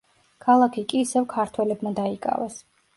ქალაქი კი ისევ ქართველებმა დაიკავეს.